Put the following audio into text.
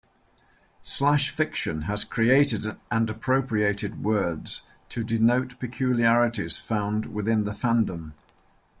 Slash fiction has created and appropriated words to denote peculiarities found within the fandom.